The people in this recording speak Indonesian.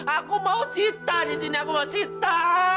aku mau sita di sini aku mau sita